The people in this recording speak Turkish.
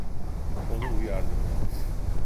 Onu uyardım.